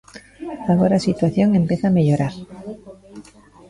Agora a situación empeza a mellorar.